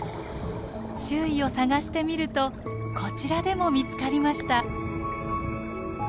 周囲を探してみるとこちらでも見つかりました。